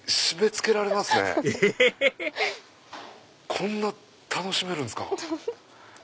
こんな楽しめるんですか。